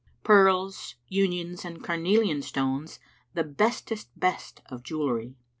Pearls, unions and carnelian[FN#341] stones * The bestest best of jewelry!'